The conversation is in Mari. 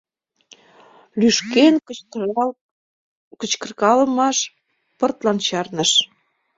Лӱшкен кычкыркалымаш пыртлан чарныш.